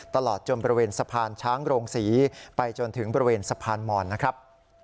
ตลอดจนบริเวณสะพานช้างโรงศรีไปจนถึงบริเวณสะพานมอนนะครับ